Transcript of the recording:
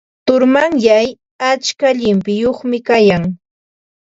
Turumanyay atska llimpiyuqmi kaykan.